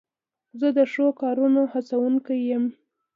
زه د ښو کارونو هڅوونکی یم.